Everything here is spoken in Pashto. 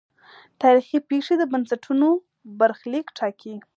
تاریخي پېښې د بنسټونو برخلیک ټاکي.